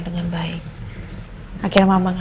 rena juga udah tau